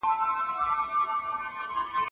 ټکنالوژي د کرنې حاصلات لوړه وي.